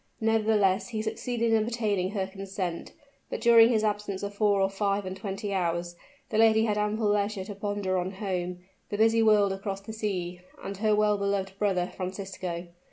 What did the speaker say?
Nevertheless he succeeded in obtaining her consent: but during his absence of four or five and twenty hours, the lady had ample leisure to ponder on home the busy world across the sea and her well beloved brother Francisco.